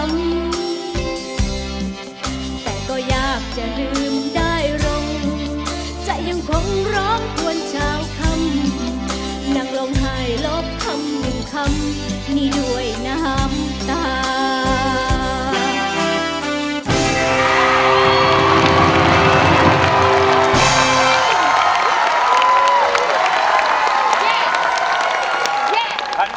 แต่ก็อยากจะลืมได้ลง